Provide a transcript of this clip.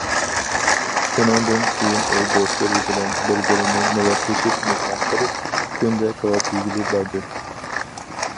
شۇنىڭدىن كېيىن ئۇ دوستلىرى بىلەن بىر- بىرىنى نۆۋەتلىشىپ مېھمان قىلىپ، كۈندە كاۋاپ يېگىلى باردى.